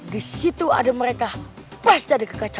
di sana ada mereka bahas dari kerja kerja